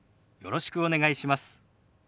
よろしくお願いします。